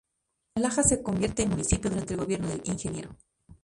Las Lajas se convierte en municipio durante el gobierno del Ing.